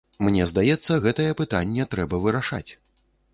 Мне здаецца, гэтае пытанне трэба вырашаць.